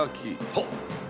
はっ。